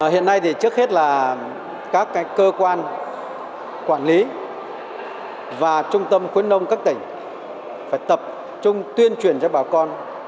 hiện nay thì trước hết là các cơ quan quản lý và trung tâm khuyến nông các tỉnh phải tập trung tuyên truyền cho bà con